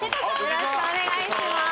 よろしくお願いします